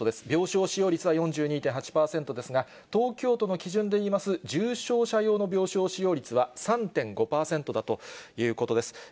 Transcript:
病床使用率は４２．８％ですが、東京都の基準でいいます重症者用の病床使用率は３．５％だということです。